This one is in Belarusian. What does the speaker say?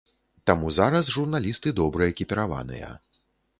Таму зараз журналісты добра экіпіраваныя.